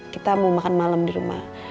kita mau makan malam di rumah